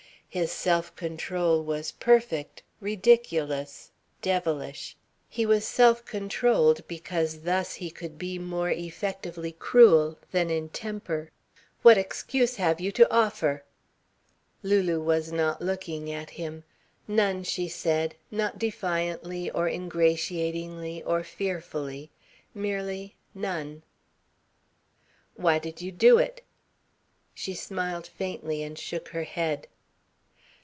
His self control was perfect, ridiculous, devilish. He was self controlled because thus he could be more effectively cruel than in temper. "What excuse have you to offer?" Lulu was not looking at him. "None," she said not defiantly, or ingratiatingly, or fearfully. Merely, "None." "Why did you do it?" She smiled faintly and shook her head.